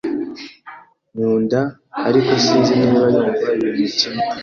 Nkunda , ariko sinzi niba yumva ibintu kimwe.